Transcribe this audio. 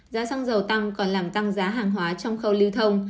giá xăng dầu tăng còn làm tăng giá hàng hóa trong khâu lưu thông